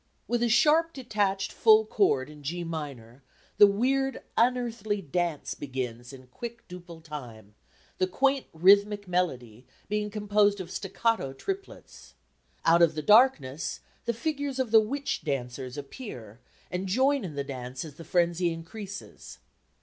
With a sharp detached full chord in G minor, the weird unearthly dance begins in quick duple time, the quaint rhythmic melody being composed of staccato triplets. Out of the darkness the figures of the witch dancers appear and join in the dance as the frenzy increases.